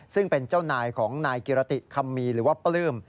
ซึ่งเป็นเจ้านายของนายกิรติคำมีหรือว่าปลื้ม